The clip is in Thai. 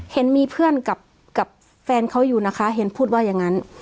เห็นมีเพื่อนกับแฟนเขาอยู่นะคะเห็นพูดว่าอย่างนั้น